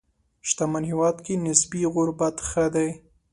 شتمن هېواد کې نسبي غربت ښه دی.